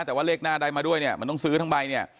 แต่ว่าเลขหน้าได้มาด้วยเนี่ยมันต้องซื้อทั้งใบเนี่ย